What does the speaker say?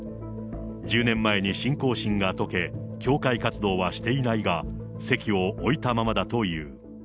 １０年前に信仰心が解け、教会活動はしていないが、籍を置いたままだという。